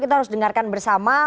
kita harus dengarkan bersama